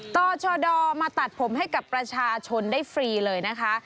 ต่อชดมาตัดผมให้กับประชาชนได้ฟรีเลยนะคะ